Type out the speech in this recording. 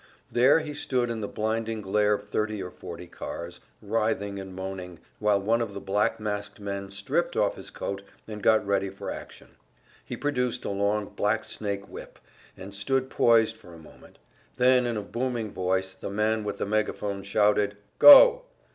There he stood in the blinding glare of thirty or forty cars, writhing and moaning, while one of the black masked men stripped off his coat and got ready for action. He produced a long black snake whip, and stood poised for a moment; then in a booming voice the man with the megaphone shouted, "Go!"